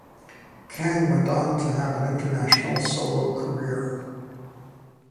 Kang went on to have an international solo career.